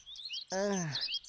うん。